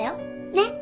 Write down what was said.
ねっ。